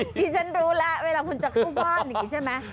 พี่ฉันรู้แล้วเวลาคุณจะเข้าบ้านอยู่ใช่ไหม